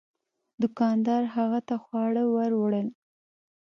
دوکاندار هغه ته خواړه ور وړل.